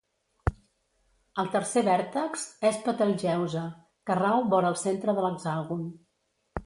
El tercer vèrtex és Betelgeuse, que rau vora el centre de l'hexàgon.